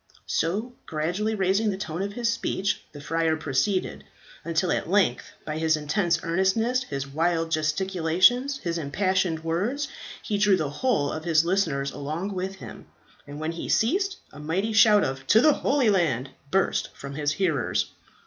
So, gradually raising the tone of his speech, the friar proceeded; until at length by his intense earnestness, his wild gesticulations, his impassioned words, he drew the whole of his listeners along with him; and when he ceased, a mighty shout of "To the Holy Land!" burst from his hearers.